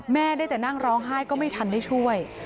แม่ได้แต่นั่งร้องไห้ก็ไม่ทันได้ช่วย